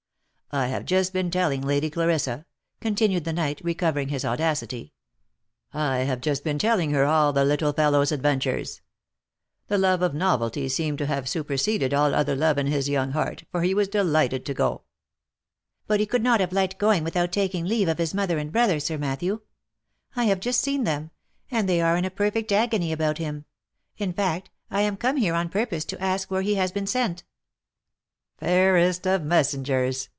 I have just been telling Lady Clarissa," continued the knight, recovering his audacity, " I have just been telling her all the little fellow's adventures. The love of novelty seemed to have su perseded all other love in his young heart, for he was delighted to go." "But he could not have liked going without taking leave of his mother and brother, Sir Matthew. I have just seen them, and they are in a perfect agony about him — in fact, I am come here on purpose to ask where he has been sent." OF MICHAEL ARMSTRONG. 173 " Fairest of messengers